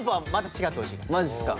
マジっすか？